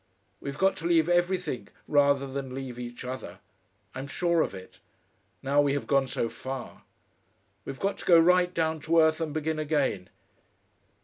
We've got to leave everything rather than leave each other. I'm sure of it. Now we have gone so far. We've got to go right down to earth and begin again....